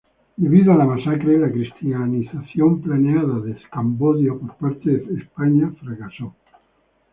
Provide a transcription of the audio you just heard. Debido a la masacre, la cristianización planeada de Camboya por parte de España fracasó.